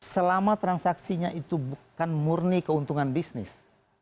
selama transaksinya itu bukan murni keuntungan bisnis